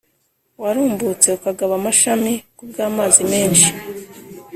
warumbutse ukagaba amashami ku bw’amazi menshi